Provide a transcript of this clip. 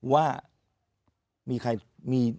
ว่ามีใคร